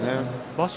場所